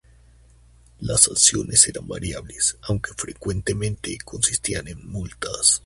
Las sanciones eran variables, aunque frecuentemente consistían en multas.